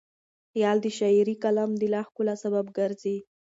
خیال د شعري کلام د لا ښکلا سبب ګرځي.